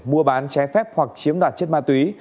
mua bán trái phép hoặc chiếm đoạt chất ma túy